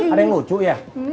ada yang lucu ya